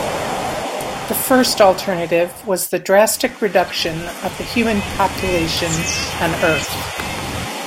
The first alternative was the drastic reduction of the human population on Earth.